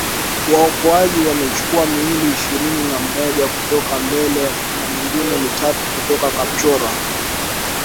waokoaji wamechukua miili ishirini na moja kutoka Mbale na mingine mitatu kutoka Kapchorwa .